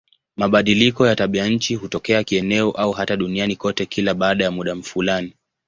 Mabadiliko ya tabianchi hutokea kieneo au hata duniani kote kila baada ya muda fulani.